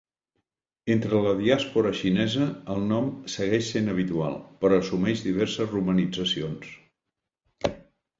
Entre la diàspora xinesa, el nom segueix sent habitual, però assumeix diverses romanitzacions.